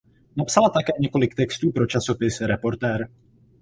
Napsala také několik textů pro časopis "Reportér".